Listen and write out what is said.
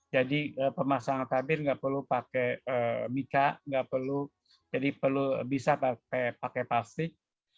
jadi pemasangan tabir nggak perlu pakai mica nggak perlu jadi bisa pakai plastik